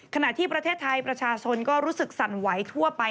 ขณะที่ประเทศไทยประชาชนก็รู้สึกสั่นไหวทั่วไป